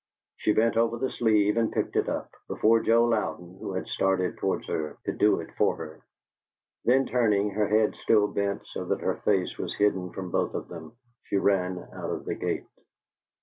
She bent over the sleeve and picked it up, before Joe Louden, who had started towards her, could do it for her. Then turning, her head still bent so that her face was hidden from both of them, she ran out of the gate.